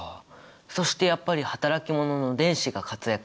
そしてやっぱり働き者の電子が活躍してたね。